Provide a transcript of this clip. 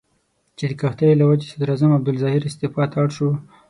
چې د قحطۍ له وجې صدراعظم عبدالظاهر استعفا ته اړ شو.